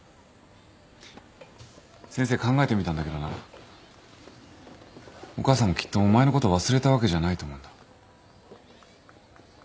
先生考えてみたんだけどなお母さんもきっとお前のこと忘れたわけじゃないと思うんだ。